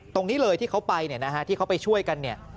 ตรงนี้เลยที่เขาไปเนี่ยนะฮะที่เขาไปช่วยกันเนี่ย